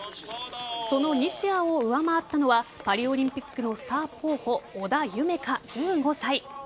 その西矢を上回ったのはパリオリンピックのスター候補織田夢海、１５歳。